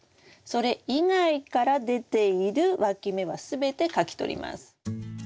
それ以外から出ているわき芽は全てかき取ります。